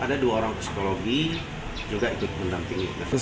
ada dua orang psikologi juga ikut mendampingi